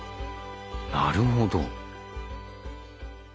なるほど。